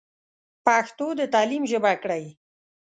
پښتو د تعليم ژبه کړئ.